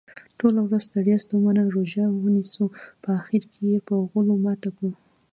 ټوله ورځ ستړي ستوماته روژه ونیسو په اخرکې یې په غولو ماته کړو.